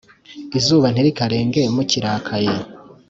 Izuba ntirikarenge mukirakaye